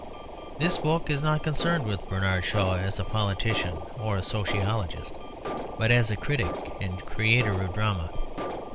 This book is not concerned with Bernard Shaw as a politician or a sociologist, but as a critic and creator of drama.